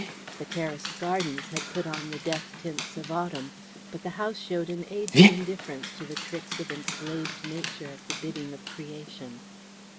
The terraced gardens had put on the death tints of autumn, but the house showed an aged indifference to the tricks of enslaved nature at the bidding of creation.